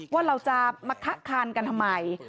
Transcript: ว่าเราจะมาคะคานกันทำไม